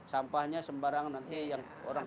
sampahnya sembarang nanti orang kekampung